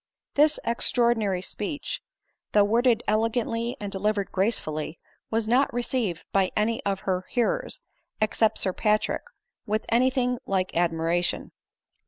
This extraordinary speech, though worded elegantly and delivered gracefully, was not received by any of her hearers, except Sir Patrick, with any thing like admira tion.